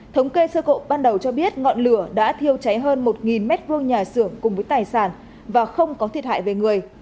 thống kê sơ bộ ban đầu cho biết ngọn lửa đã thiêu cháy hơn một m hai nhà xưởng cùng với tài sản và không có thiệt hại về người